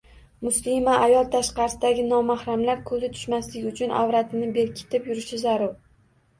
Muslima ayol tashqaridagi nomahramlar ko‘zi tushmasligi uchun avratini berkitib yurishi zarur.